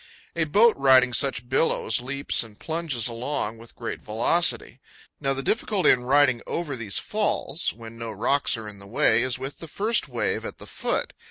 A boat riding such billows leaps and plunges along with great velocity. Now, the difficulty in riding over these falls, when no rocks are in the way, is with the first wave at the foot.